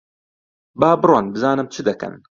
با بڕۆن بزانم چ دەکەن؟